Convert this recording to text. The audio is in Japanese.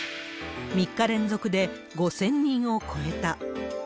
３日連続で５０００人を超えた。